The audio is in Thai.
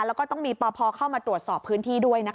แล้วก็ต้องมีปพเข้ามาตรวจสอบพื้นที่ด้วยนะคะ